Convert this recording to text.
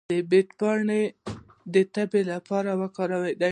د بید پاڼې د تبې لپاره دي.